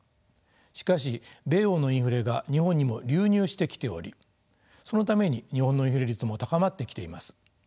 しかし米欧のインフレが日本にも流入してきておりそのために日本のインフレ率も高まってきています。